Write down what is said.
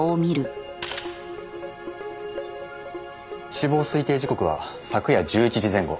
死亡推定時刻は昨夜１１時前後。